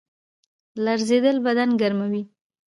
لړزیدل بدن ګرموي